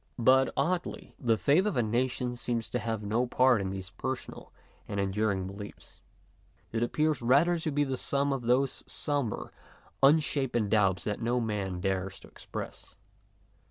But, oddly, the faith of a nation seems to have no part in these personal and enduring beliefs. It appears rather to be the sum of those sombre, unshapen doubts that no man dares to express.